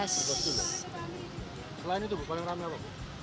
selain itu bu paling rame apa bu